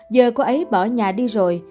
giờ cô ấy bỏ nhà đi rồi